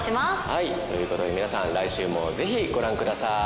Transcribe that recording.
はいということで皆さん来週もぜひご覧ください。